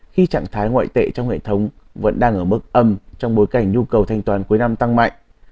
khi trạng thái ngoại tệ trong hệ thống vẫn đang ở mức âm trong bối cảnh nhu cầu thanh toán cuối năm tăng mạnh